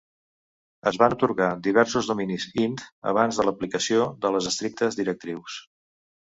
Es van atorgar diversos dominis "int" abans de l'aplicació de les estrictes directrius.